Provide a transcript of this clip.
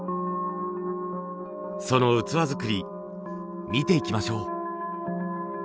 その器作り見ていきましょう。